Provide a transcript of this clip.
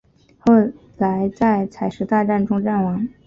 后在采石大战中战亡。